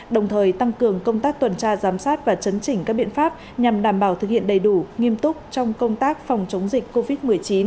đồng thời tăng cường công tác tuần tra giám sát và chấn chỉnh các biện pháp nhằm đảm bảo thực hiện đầy đủ nghiêm túc trong công tác phòng chống dịch covid một mươi chín